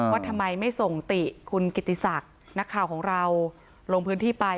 ว่าทำไมไม่ส่งติคุณกิติศักดิ์นักข่าวของเราลงพื้นที่ไป